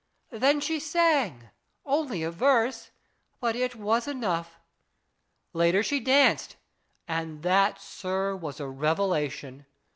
Then she sang ; only a verse, but it was enough. Later she danced, and that, sir, was a revelation.